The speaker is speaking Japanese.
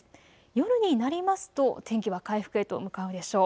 夜になりますと天気は回復へと向かうでしょう。